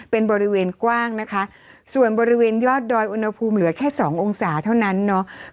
เป็นบริเวณกว้างนะคะส่วนบริเวณยอดดอยอุณหภูมิเหลือแค่สององศาเท่านั้นเนาะ